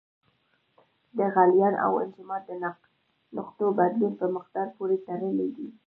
د غلیان او انجماد د نقطو بدلون په مقدار پورې تړلی دی.